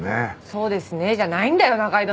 「そうですね」じゃないんだよ仲井戸さん！